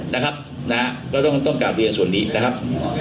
นะครับนะฮะก็ต้องต้องการเรียนส่วนนี้นะครับ